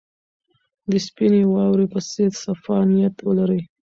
د سپینې واورې په څېر صفا نیت ولرئ.